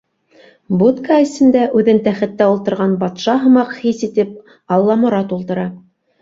Будка эсендә, үҙен тәхеттә ултырған батша һымаҡ хис итеп Алламорат ултыра.